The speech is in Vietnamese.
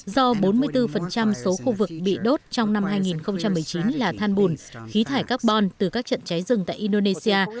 do bốn mươi bốn số khu vực bị đốt trong năm hai nghìn một mươi chín là than bùn khí thải carbon từ các trận cháy rừng tại indonesia